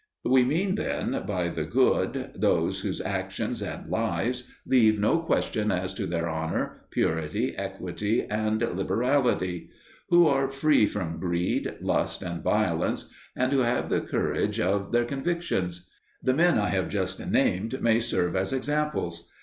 We mean then by the "good" _those whose actions and lives leave no question as to their honour, purity, equity, and liberality; who are free from greed, lust, and violence; and who have the courage of their convictions_. The men I have just named may serve as examples.